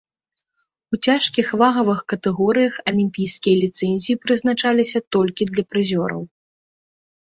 У цяжкіх вагавых катэгорыях алімпійскія ліцэнзіі прызначаліся толькі для прызёраў.